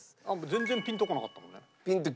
全然ピンとこなかったもんね。